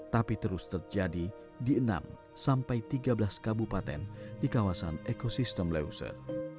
tapi terus terjadi di enam sampai tiga belas kabupaten di kawasan ekosistem leuser